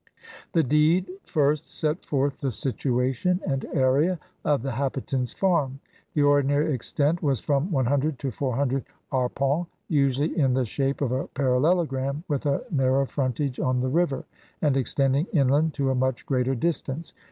The deed first set forth the situation and area of the habitant's farm. The ordinary extent was from one hundred to four hundred arpents, usually in the shape of a parallelogram with a narrow frontage on the river, and extending inland to a much greater distance.